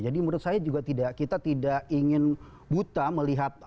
jadi menurut saya juga tidak kita tidak ingin buta melihat